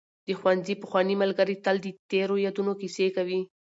د ښوونځي پخواني ملګري تل د تېرو یادونو کیسې کوي.